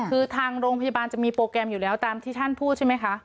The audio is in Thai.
คือทางโรงพยาบาลจะมีโปรแกรมอยู่แล้วตามที่ท่านพูดใช่ไหมคะ